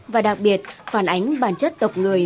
và đặc biệt phản ánh bản chất tộc người